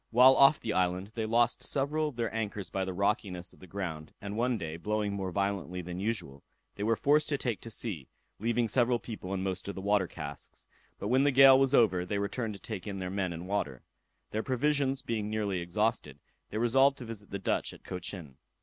While off the island, they lost several of their anchors by the rockiness of the ground; and one day, blowing more violently than usual, they were forced to take to sea, leaving several people and most of the water casks; but when the gale was over, they returned to take in their men and water. Their provisions being nearly exhausted, they resolved to visit the Dutch at Cochin.